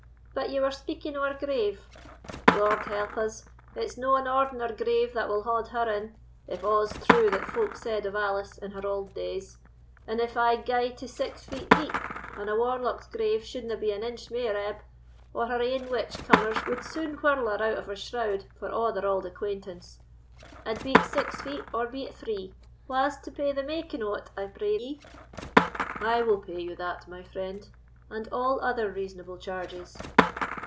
But ye were speaking o' her grave? Lord help us, it's no an ordinar grave that will haud her in, if a's true that folk said of Alice in her auld days; and if I gae to six feet deep—and a warlock's grave shouldna be an inch mair ebb, or her ain witch cummers would soon whirl her out of her shroud for a' their auld acquaintance—and be't six feet, or be't three, wha's to pay the making o't, I pray ye?" "I will pay that, my friend, and all other reasonable charges."